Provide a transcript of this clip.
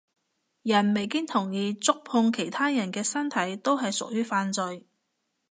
人未經同意觸碰其他人嘅身體都係屬於犯罪